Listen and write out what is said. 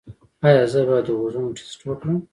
ایا زه باید د غوږونو ټسټ وکړم؟